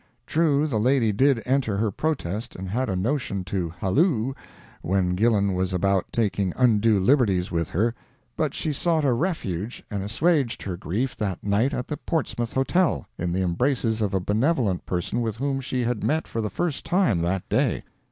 True, the lady did enter her protest, and had a notion to halloo, when Gillan was about taking undue liberties with her; but she sought a refuge and assuaged her grief that night at the Portsmouth Hotel, in the embraces of a benevolent person with whom she had met for the first time that day.